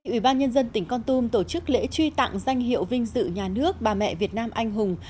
ủy ban nhân dân tỉnh con tum tổ chức lễ truy tặng danh hiệu vinh dự nhà nước bà mẹ việt nam anh hùng